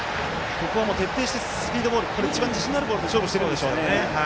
ここは徹底してスピードボール一番自信のあるボールで勝負しているんでしょうね。